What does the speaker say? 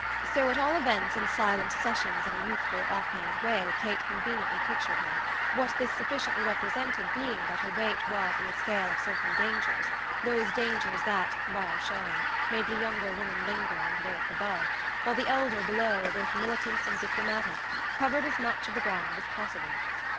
So at all events in silent sessions and a youthful off hand way Kate conveniently pictured her: what this sufficiently represented being that her weight was in the scale of certain dangers those dangers that, by our showing, made the younger woman linger and lurk above, while the elder, below, both militant and diplomatic, covered as much of the ground as possible.